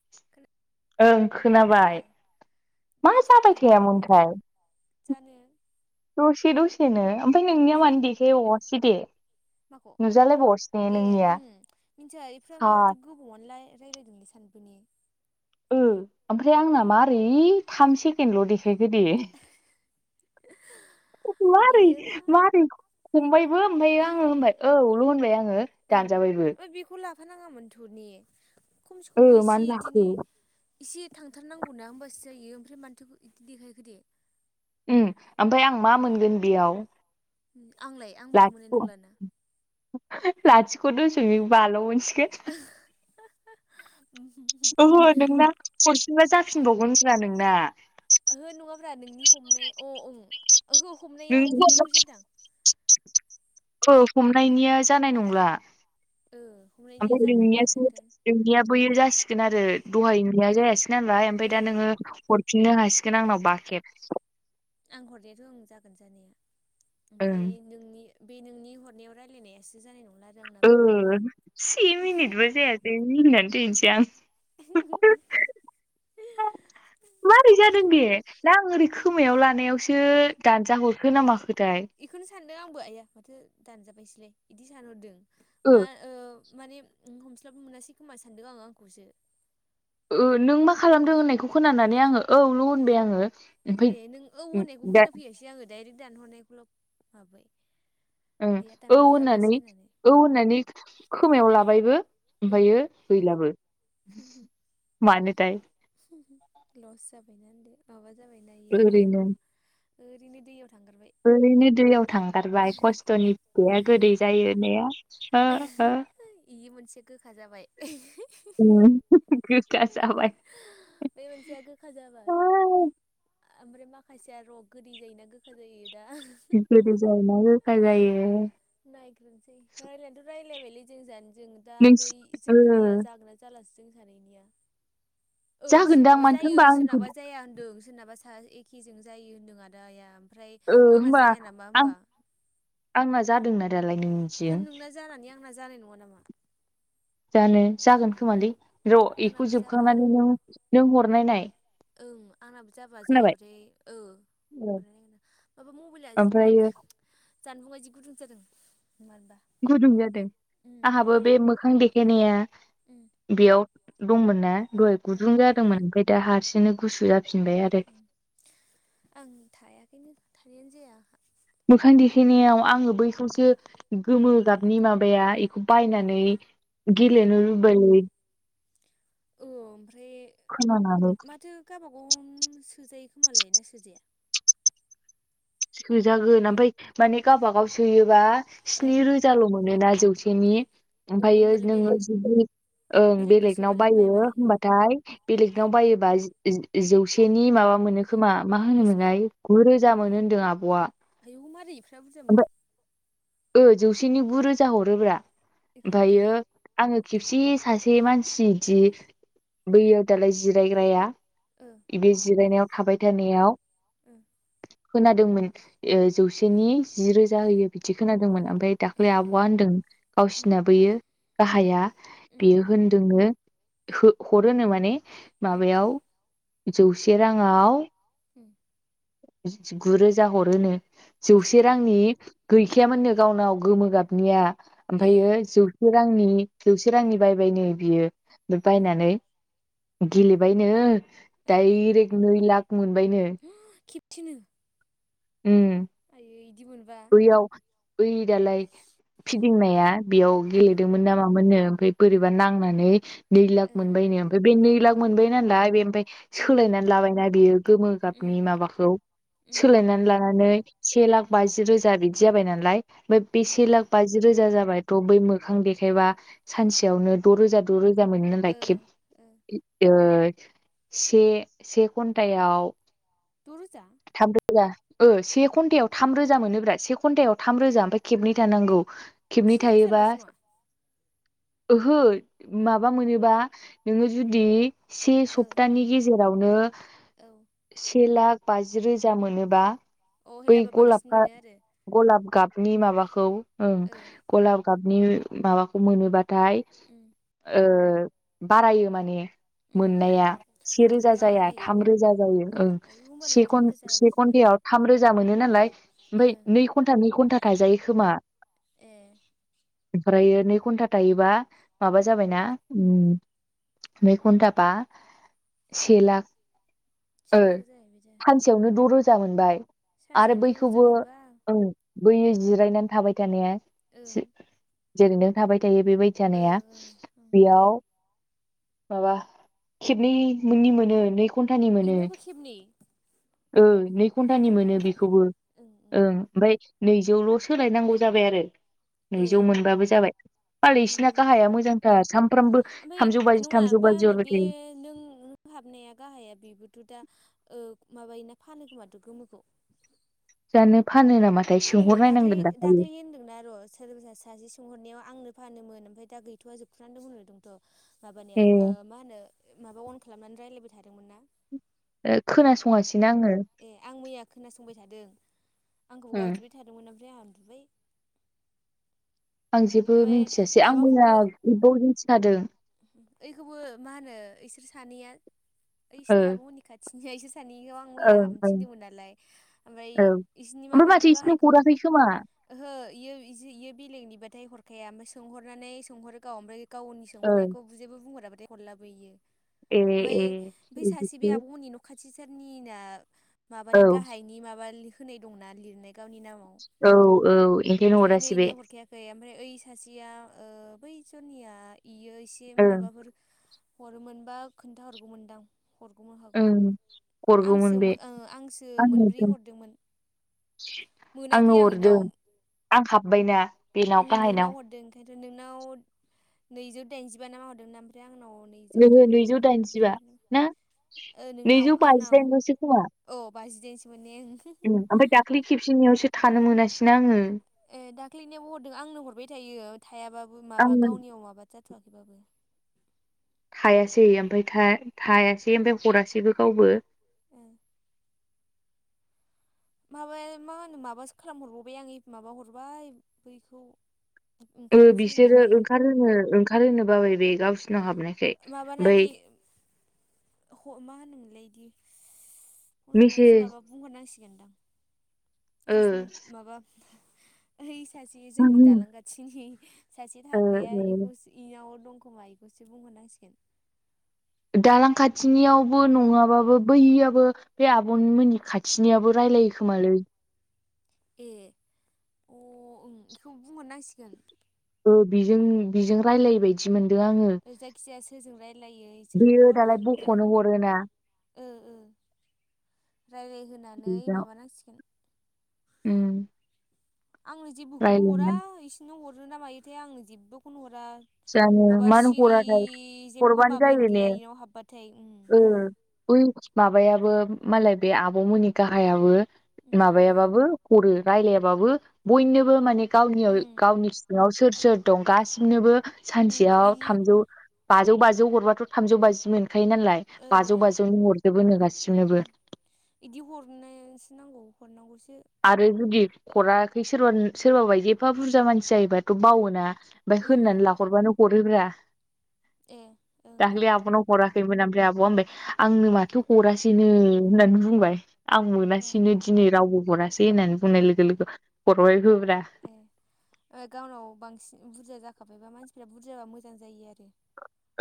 [unintelligible] ओं ए खोनाबाय। मा जाखो जाबाय दे दहायनो थायामोनथाय जानो? दसे दसेनो ओमफ्राय नोंनिया मानो देखाय बावआसै‌ दे। माखौ नुजालायबावासै ने ए नोंनिया उम मिथियाफ हा माथो गोबावनो लायलायदोंलै सानैबो ने ओ ओमफ्राय आंना मारै थाम सेकेणडल' देखायखो दे। [unintelligible] मारै बेयो मा हमबायबो ओमफ्राय आङो औल' होनबाय आङो ओं दानजाबायबो ओमफ्राय बेखौ लाफानाङामोनथ' ने खमसे खमबो ओ इसे मानो लाखो बिदिनो इसे थांथारनांगौनाा होमबासो जायो ओमफ्राय मानथोखौ बिदि देखायखो दे। ओमफ्राय आं मा मोनगोन बेयाव। आंलाय? आंबोथ' मोननाय नंलाना लाथिख' लाथिख' द'समिक बाल' मोनसिगोन। [unintelligible] ओहो नोंना खनसेबा जाफिनबावगोन ब्रा नोंना। ओहो नङाब्रा नोंनि हमनाय अ ओं ओहो हमनाया नों हमनायखौसो होनदां हमनायनिया जानाय नंला ओ हमनायनिया जानाय नंला बेखायनोथ' ओमफ्रायनियाोया‌ बयो जासिगोन आरो दहायनाया जायासै नालाय ओमफ्राय ओ दा नोङो हर फिननो हासिगोन आंनाव बाखेब आं हरनायाथ' आं जागोन जानाया ओं ओमफफ्राय नोंनि बे नोंनि हरनायाव रायज्लायनायासो जानाय नंला आरो आंनाबो से मिनिटबो जायासै मिनिनानै दनोसै आं। [inaudible] [inaudible] माबारै जादों बे दा आं ओरै खोमायाव लानायावसो दानजााहरखो नाामाखोथाय बेखौनो सानदों आंबो आइया माथो दानजाबायसैलाय बिदि सानहरदों ओ मा माने हमस्लाब मोनासै खोमा सानदों आङो आंखौसो नों मा खालामदों होननायखौ खोनानानै आङो औल' होनबाय आङो ए ओमफ्राय नों औ होनायखौ दा खोनाफैयासै आङो दडाइरेक्ट दानहरनायखौल' माबै ओ औ होननानै औ उम होननानै खोमायाव लाबायबो ओमफ्रायो उम गैलाबो। मानोथाय लस जाबायनादो माबा जाबायना बियो गैला ओरैनो ओरैनो दैयाव थांग्रबाय‌ ओरैनो दैयाव थांगारबाय खस्थ'नि फिथाया गोदै जायो होननाया। ओ ओ बे मोनसे गोखा जाबाय। उम। गोखा जाबाय बे मोनसेया गोखा जाबाय। ओमफ्राय माखासेया र' गोदै जायोना गोखा जायो दा गोदै जायोना गोखा जायो ‌ नायग्रोनोसै रायज्लायनानैथ' रायज्लायबायलाय जों जानो जों दा नोंसि ओमफ्राय ओ जोंनिया जागोन जा जों सानैनिया जागोनदां सोरनावबा माथो जायो होनबा आंनिखौ सोरनावाबा जाया होनदों सोरनाबा ा एखेजोंों जायो होन्दों आदा आइया ओमफ्राय ओ आंना होनबा जाया नामा आं होनोमबा? आंना जादोंना दालाय नों ओंखाय मिथिग नोंना जानानै आंना जानाय नङा नामा? जानो जागोन खोमालै र' बेखौ आंनाबो जाबा जोबखांनानै नों नों हरनाय नाय। ओं आंनाबो जाबा जायाबाथाय औ होन माबा मबाइल माबा ओमफ्रायो जानफुंबाय जि गुदुं जादों मानोबा। गुदुं जादों उम आंहाबो बे मोखां देखायनाया उम बेयाव दंमोन ना दहाय उम गुदुं जादोंमोन ओमफ्राय दा हारसिंनो गुसु जाफिनबाय आरो उम आं थायाखैनो थानायानो जाया मोखां देखायनायाव आङो बैखौसो गोमो गाबनि माबाया उम बायनानै उम गेलेनो लुबैल औ ओमफ्राय खोनानानै माथो गाबागाव सोजायो खोमालाय ना सोजाया सोजागोन ओमफ्राय माने गाबागाव सोयोबा ओ स्नि अ रोजाल' मोनोना जौसे बेनि ओमफ्रायो होमबालाय नोंङो बेलेग जुदि ओं बेलेगनाव सोबालाय बायो बायबालाय होमबाथाय ओ बेलेगनाव बायोबा जौसेनि माबा मोनो खोमा मा बेसेबां होनोमोनलाय गुरोजा मोनो होन्दों आब' आ आयौ मारै एफा बुरजा मोनो ओ जौसेनि गु रोजा हरोब्रा बेखायनोथ' ओ ओमफ्रायो आंङो खेबसे सासे मानसि सिदि बैयो दालाय जिरायग्राया ओ बि जिरायनायाव थाबाय थानायाव खोनादोंमोन ओ जौसेनि जि रोजा उम होयो बिदि दि खोनादोंमोन ओमफ्राय ए दाख्लै आब'आ होनदों उम गावसिनि बोयो उम गाहाया उम बेयो होनदोंङनो उम हरो नो माने उम माबायाव जौसे राङाव उम गुरोजा हरोनो जौसे ए रांनि गैखायामोननो गावनाव गोमो गाबनिया ए ओमफ्रायो जौ से रांनि जौसे रांनि बायबाय नो बियो औ बायनानै गेलेबायनो दायरेख नै लाख मोनबायनो मा खेबसेनो उम आइयै इदि मोनबा बेयाव बै दालाय फिदिंनाया बेयाव ओ गेलेदोंमोन नामामोननो ओमफ्राय बोरैबा नांनानै नै लाख ओ ओ मोनबाय नो ओमफ्राय बे नै लाख उम मोनबाय नालाय बे ओमफ्राय उम सोलायनानै लाबायना बेयो गोमो गाबनि उम माबाखौ उम सोलायनानै लानानै से लाख बाजि रोजा बिदि जाबाय नालाय ओमफ्राय बे उम से लाख बाजि रोजा जाबायथ' बै मोखां देखायबा सानसेयावनो द' रोजा द' रोजा मोनो नालाय ओ खेब ओ ओ से से घन्टायाव दं रोजा थामरोजा ओ से घन्टायाव थामरोजा मोनोब्रा से घन्टायाव थाम रोजा मफ्राय खेबनै दाननांगौ खेबनै से थायोबा रोजाल'सो नङा ओहो माबा मोनोबा नोंङो जुदि से ओ सप्तानि गेजेरावनो औ से लाख बाजि रोजा मोनोबा अ बै हेलाबो गलाब बांसिन मोनो आरो गलाब गाबनि माबाखौ ओ गलाब गाबनि माबाखौ मोनोबाथाय उम ओ बारायो माने उम उम मोननाया उम से रोजा मोननाया जाया बारायो थाम रोजा जायो ओं आयु होमबालाय थाम सेघन रोजा से गोजोबा घन्टायाव थाम रोजा मोनो नालाय ओ ओमफ्राय नै घन्टा नै घन्टा थाजायो खोया ए ओमफ्रायो नै घन्टा थायोबा माबा उम जाबायना? उम नै घन्टा बा से लाख से ओ लाख जाहैबाय दा सानसेयावनो द' रोजा मोनबाय। सानसेयावनो द' रोज [unintelligible] बैयै जिरायनानै थाबाय थानाया ओं जेरैनो थाबाय थायो बेबायदि ओ जानाया ओ ओं बेयाव माबा खेबनै मोननि मोनो नै घन्टानि मोनो इनाबो खेबनै ओ नै घन्टानि घन्टा मोनो गोजो बेखौबो। ओं ओमफ्राय नैजौल' सोलायनांगौ जाबाय आरो ए नैजौ मोनबाबो जाबाय। बाल उम इसिना उम उम गाहाया मोजांथार सानफ्रामबो ओमफ्राय थामजौ बाजि नङा थामजौ ओमफ्राय बाजि आंनो हरबाय बे थायो। नों न हाबनाया गाहाया बेबोथ' दा ओ माबायोना फानो खोमाथ' गोमोखौ। जानो फानो नामा? फानो दाख्लै दाख्लै होनदोंना र' सोरबा सा सासे सोंहरनायाव आंनो फानोमोन ओमफ्राय दा गैथ'वा जोबथ'नानै दं होनदोंथ' माबानायाव ओ मा होनो माबा अन खालामनानै रायलायबाय थादोंमोन ना? ओ इयाव खोनासङासिनो आङो। ए आं मैया खोनासंबाय थादों। आंखौ ओं ग्राबजिबाय थादोंमोन ओमफ्राय आंहा उन्दुबाय। आं जेबो ओमफ्राय मिथियासै आं माबाखौबो मैया ग्रुपआव ओरैनोसो थादों। ओइखौबो मा होनो ओइसोर सानैया ओ ओइसिनि आब'मोननि खाथ [unintelligible] मैया ओं हाबनो ओं थिनदोंमोन नालाय ओमफ्राय औ इसिनि ओमफ्राय माबाखौ माथो इसिनो गाहायखो हराखै खोमा ओहो इयो इजि इयो बेलेगनिबाथाय हरखाया ओमफ्राय सोंहरनानै सोंहरो गाव ओमफ्राय गावनि ओ सोंहरनायखौ जेबो बुंहराथाय हरलाबो इयो ए ओमफाय ए बै सासे बे बिदिसो आब'मोननि न' खाथि सारनि ना औ माबानि गाहायनि माबा होनाय दंना लिरनाय गावनि नामाव। औ औ ओंखायनो बेखायनो हरासै बे। इनो हरखायाखै ओमफ्राय ओइ सासेया ओ बै जोरनिया इयो एसे ओं माबाफोर हरोमोनबा खोनथाहरगौमोनदां? हरग'नो हागौमोन ओं आंसो हरगौमोन बे मो ओ आंसो मोनब्रै आंनोथ' हरदोंमोन। आंनो मोनाखै आं हरदों इनाव आं हाबबायना बेनाव गाहायनाव। ओंखायथ' नोंनाव नैजौ दाइनजिबा नामा हरदोंमोन ओमफ्राय आंनाव नै नैजौ ओहो नैजौ दाइनजिबा थामजिब्रै ना [unintelligible] ओ नोंनाव नैजौ आंनाव बाजिदाइनल'सो खोमा औ बाजिदाइनसो मोन ने ओं। ओमफ्राय दाख्लि खेबसेनियावसो थानो मोनासैना आङो। ए दाख्लैनियावबो हरदों आंनो हरबाय थायो थायाबाबो माबा आंनो गावनियाव माबा जाथ'वाखैबाबो। थायासै ओमफ्राय था थायासै ओमफ्राय हरासैबो गावबो। ओम। माबाया मा होनो माबासो खालाम हरबावबाय आं ए माबा हरबाय बैखौ ओ ओंखारनोसै बिसोरो होननानै ओंखारहोनो ओंखारहोनो बाबाय बे गावसिनाव हाबनाय माबानानै मा ह' होनोमोनलाय [unintelligible] बिदि फन हरनानैसो मेसेज माबा बुंहरनांसिगोनदां ओ रसमि माबा ओइ सासेया जोंनि दालां खााथिनि सासे ओ थाग्राया ओ इखौ सि इनाव दंखोमा बेखौसो बुंहरनांसिगोन। दालां खाथिनियावबो नङाबाबो बैयाबबो बे आब'मोननि खा थिनियाबो रायलायो खोमालै ए अ ओं बेखौ बुंहरनांसिगोन। ओ बिजों बिजों रायलायो बायदि बिदि मोनदों आङो जायखिजाया सोरजों रायलायो इसोरखौ बेयो दालाय राय बख'नो हरोना। ओ ओ राय्लायहोनानै बेजों माबानांसिगोन उम आंनो जेबोखौनो हरा रायलायनो इसोरनो हरो ना मायोथाय आंनो जेबबोखौनो हरा जानो माबा मानो सिरि हराथाय जेबो हरबानो जायो माबायानो ने गैया इनाव हाबबाथाय बइ माबायाबो मालाय बे आबौमोननि गाहायाबो उम माबायाबाबो हरो रायलायाबाबो बयनोबो माने गावनियाव उम गावनि सिङाव सोर सोर दं गासिमनोबो उम सानसेयाव इदि थामजौ बाजौ बाजौ हरबाथ' थामजौ बाजि मोनखायो नालाय ओ बाजौ बाजौनो हरजोबोनो गासिनोबो बिदि नांगौ आरो जुदि हराखै सोरबा सोरबाबा एफा बुरजा मानसि जायोबाथ' बावोना होननानै उम लाहरबानो हरोब्रा ए ओं ओं आब'नाव हराखैमोन ओमफ्राय आब'आ ओमफ्राय आंनो होननानै बुंबाय आं ए मोनासिनो दिनै रावबो हरासै होननानै बुंनाय लोगो लोगो हरबायबो ब्रा ओ गावनाव बांसिन बुरजा जाखाबायबा मानसिफ्रा बुरजाबा मोजां जायो आरो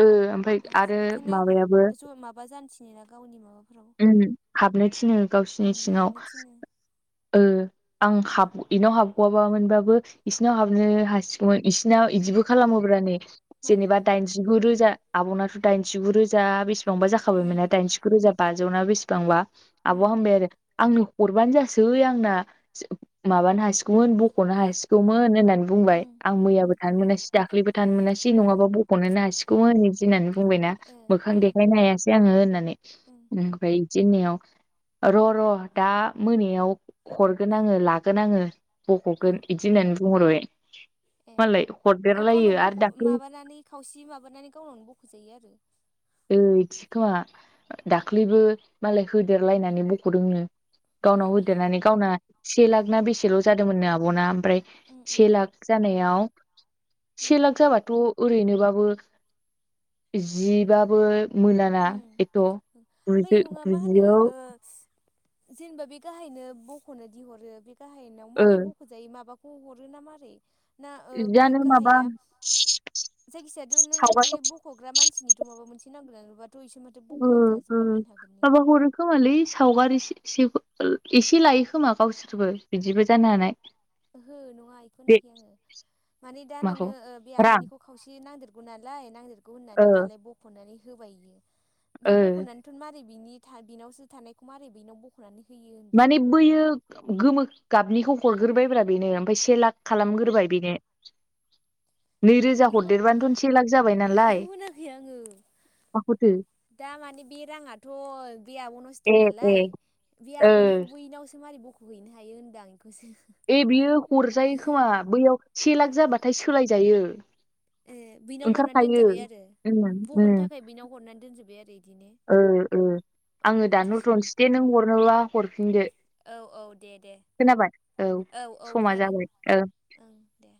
ओ ओमफ्राय मानसि आरो बेखायनो माबायाबो ज माबा जानोसनि ना गावनि माबा हाबनो थिनो गावसोरनि उम सिङाव हाबनो थिनो ओ आं हाब बेनाव हाबग'आबा मोनबाबो इसोरनाव हाबनो हासिगौमोन इसोरनाव उम बिदिबो खालामोब्लानो मारै जेनेबा दाइनजिगु रोजा आब'नाथ' दाइनजिगु रोजा बेसे बेसेबांबा उम जाखाबायमोना दाइनजखु रोजा बाजौना बेसेबांबा उम आब' हामबाय आरो आंनो हरबानो जासै थै आंना माबानो ह हमोन बख'नो हासिगौमोन होननानै बुंबाय उम आं उम मैयाबो थानो मोनासै दाख्लैबो थानो मोनासै नङाबा ब फनो हासिगौ ओदि होननानै बुंबायना ओ मोखां देखायनो हायासै आङो होननानै औ ओमफ्राय बिदि होननाययाव र' र' दा मोनायाव हरगोन आङो लागोन आङो ओं बख'गोन बिदि होननानै बुंहरबाय ए मालाय अ हरदेरलायो गावनाव आरो बख' दाख्लै माबानानै खावसे माबानानै गावनावनो बख'जायो आरो औ‌ इदिखोमा दाख्लैबो मालाय होदेरलायनानै बख'दोंनो ए गावनाव होदेरनानै गावना से लाख ना बेसेल' जादोंमोननो आब'ना ओमफ्राय उम उम से लाख जानायाव उम से लाख जाबाथ' ओरैनोबाबो जिबाबो मोनाना ओम एथ' ओमफ्राय गुजि नङा मा होनो गुजियाव ओ जेनेबा बे गाहायनो बख'नो दिहरो बे गाहायनाव ओ मारै बख' जाय माबाखौ हरो ना मारै ना बे जानो माबा गाहाया जायखिजायाथ' नों सावगा ब बख'ग्रा मानसिनिथ' माबा मोनसे नांगोन नुबाथ' इसे माथो ओ बख'नानै ओ जाजोबला बायनो हागोन ने माबा हरो खोमालै सावगारि एसे ओ एसे लायो खोमा गावसोर गुुबो बिदिबो जानो हानाय ओहो नङा बेखौ बे होनाखि आङो माने दा माखौ नोङो बे रां आब'निखौ खावसे नांदेरगौ नालाय नांदेरगौ ओ होननानै दालाय बख'नानै होबायो बे ओ बख'नानै बन मारै बिनि बिनावसो थानायखौ मारै बिनाव ब हख'नानै होयो होनदां माने बोयो गोमो गाबनिखौ हरग्रोबाय ब्रा बेनो ओमफ्राय से लाख खालामग्रोबाय बेनो। नैरोजा इखौ हरदेरबानोथ' से लाख जाबाय नालाय इखौ होनाखै आङो माखौथो दा माने बे राङाथ' बे आब'नावसो दं ए ए नालाय बे ओ बैयैनावसो मारै बख'हैनो हायो होनदां इखौसो ए बियो हरजायो खोमा बैयाव से लाख जाबाथाय सोलायजायो। ए बैनाव हरनाय ओंखारखायो दोनजाबाय आरो उम बख'नो उम थाखाय बेनाव हरनानै दोनजोबबाय आरो इदिनो ओ ओ अ आङो इदिसो दानहरथ'नोसै दे नों हरनोबा हरफिनदो। औ औ दे दे खोनाबाय औ औ समा खोनादों जाबाय औ। ओं दे।